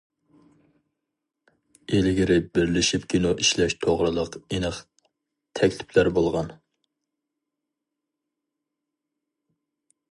ئىلگىرى بىرلىشىپ كىنو ئىشلەش توغرىلىق ئېنىق تەكلىپلەر بولغان.